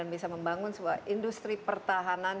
bisa membangun sebuah industri pertahanan